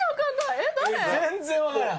全然分からん。